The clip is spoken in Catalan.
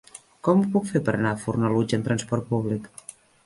Com ho puc fer per anar a Fornalutx amb transport públic?